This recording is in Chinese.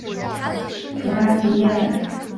普拉迪耶尔。